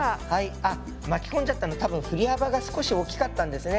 あ巻き込んじゃったの多分振り幅が少し大きかったんですね。